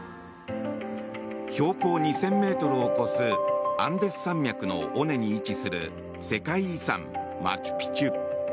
標高２０００ｍを超すアンデス山脈の尾根に位置する世界遺産マチュピチュ。